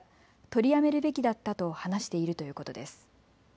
取りやめるべきだったと話しているということです。